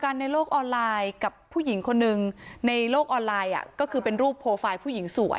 ในโลกออนไลน์กับผู้หญิงคนหนึ่งในโลกออนไลน์ก็คือเป็นรูปโปรไฟล์ผู้หญิงสวย